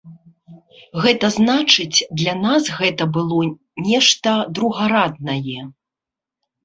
Гэта значыць, для нас гэта было нешта другараднае.